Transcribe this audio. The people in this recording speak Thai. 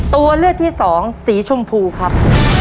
ตัวเลือกที่สองสีชมพูครับ